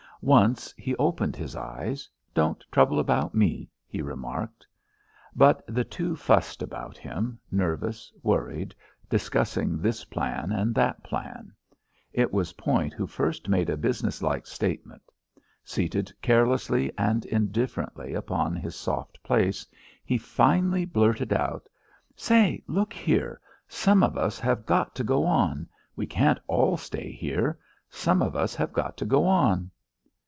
Once he opened his eyes. "Don't trouble about me," he remarked. But the two fussed about him, nervous, worried, discussing this plan and that plan. It was Point who first made a business like statement. Seated carelessly and indifferently upon his soft place, he finally blurted out: "Say! Look here! Some of us have got to go on. We can't all stay here. Some of us have got to go on."